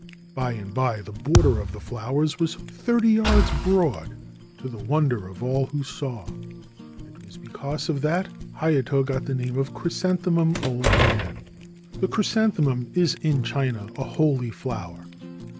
By and by the border of flowers was thirty yards broad — to the wonder of all who saw. It was because of this that Hayato got the name of Chrysanthemum Old Man. The chrysanthemum is in China a holy flower.